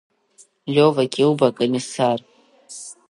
Лиова Кьылба, акомиссар…